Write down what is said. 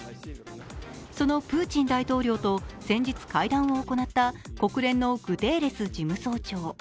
そのプーチン大統領と先日会談を行った国連のグテーレス事務総長。